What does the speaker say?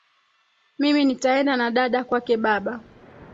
Mimi nitaenda na dada kwake baba